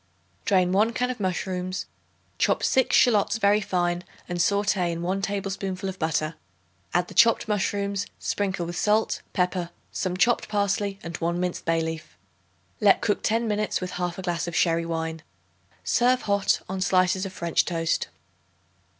Drain 1 can of mushrooms; chop 6 shallots very fine and sauté in 1 tablespoonful of butter. Add the chopped mushrooms; sprinkle with salt, pepper, some chopped parsley and 1 minced bay leaf. Let cook ten minutes with 1/2 glass of sherry wine. Serve hot on slices of French toast.